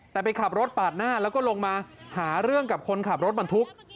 แต่ไปขับรถปาดหน้าแล้วก็ลงมาหาเรื่องกับคนขับรถบรรทุก